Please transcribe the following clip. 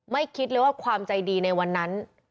คิดเลยว่าความใจดีในวันนั้น